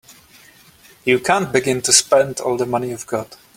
You can't begin to spend all the money you've got.